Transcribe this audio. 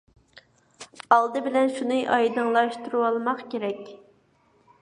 ئالدى بىلەن شۇنى ئايدىڭلاشتۇرۇۋالماق كېرەك.